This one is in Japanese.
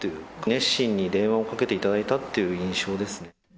熱心に電話をかけていただいたっていう印象ですね。